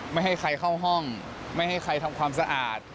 ไม่ให้ใครเข้าห้องไม่ให้ใครทำความสะอาด